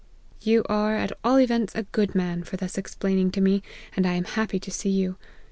"' You are, at all events, a good man, for 4 thus explaining to me, and I am happy to see you.